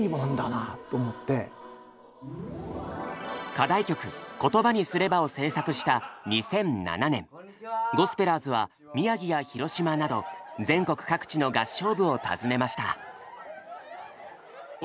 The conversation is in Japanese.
課題曲「言葉にすれば」を制作した２００７年ゴスペラーズは宮城や広島など全国各地の合唱部を訪ねました。